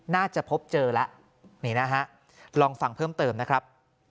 น่าจะพบเจอแล้วนี่นะฮะลองฟังเพิ่มเติมนะครับ